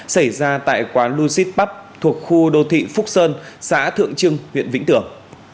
xảy ra tại quán lucid pub thuộc khu đô thị phúc sơn xã thượng trưng huyện vĩnh tường